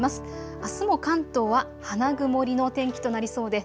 あすも関東は花曇りの天気となりなりそうです。